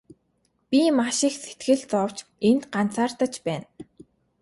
Би маш их сэтгэл зовж энд ганцаардаж байна.